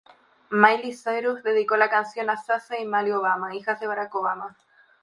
Miley Cyrus dedicó la canción a Sasha y Malia Obama, hijas de Barack Obama.